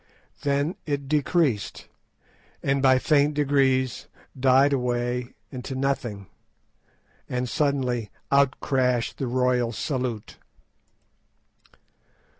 Then it decreased, and by faint degrees died away into nothing, and suddenly out crashed the royal salute.